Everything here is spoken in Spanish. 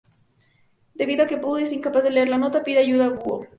Debido a que Pooh es incapaz de leer la nota, pide ayuda Búho.